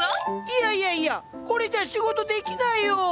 いやいやいやこれじゃ仕事できないよぉ！